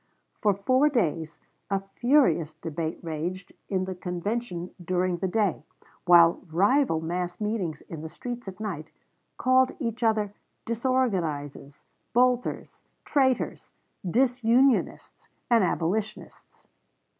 For four days a furious debate raged in the convention during the day, while rival mass meetings in the streets at night called each other "disorganizes," "bolters," "traitors," "disunionists," and "abolitionists."